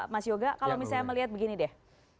mas yoga kalau misalnya melihat begini deh